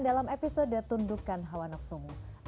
dalam episode tundukan hawa nafsumu